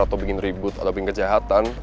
atau bikin ribut atau bikin kejahatan